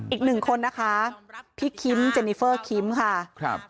อีกหนึ่งคนนะคะพี่คิมเจนิเฟอร์คิมค่ะครับ